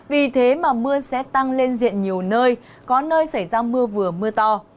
vì thế mà mưa sẽ tăng lên diện nhiều nơi có nơi xảy ra mưa vừa mưa to